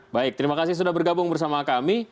baik terima kasih sudah bergabung bersama kami